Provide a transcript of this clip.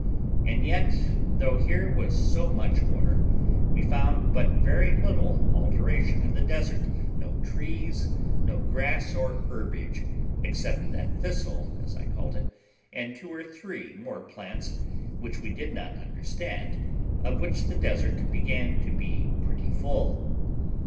And yet, though here was so much water, we found but very little alteration in the desert; no trees, no grass or herbage, except that thistle, as I called it, and two or three more plants, which we did not understand, of which the desert began to be pretty full.